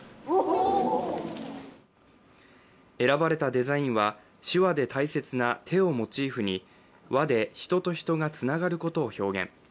選ばれたデザインは手話で大切な手をモチーフに輪で人と人がつながることを表現。